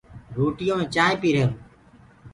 روٽيو مين چآنه پيهرون